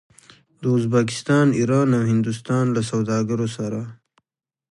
د ازبکستان، ایران او هندوستان له سوداګرو سره